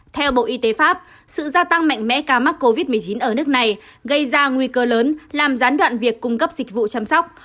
theo bộ y tế pháp sự gia tăng mạnh mẽ ca mắc covid một mươi chín ở nước này gây ra nguy cơ lớn làm gián đoạn việc cung cấp dịch vụ chăm sóc